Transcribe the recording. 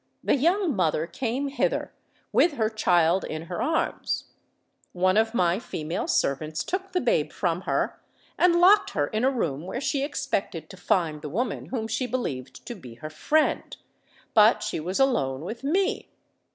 The young mother came hither, with her child in her arms. One of my female servants took the babe from her, and locked her in a room where she expected to find the woman whom she believed to be her friend. But she was alone with me!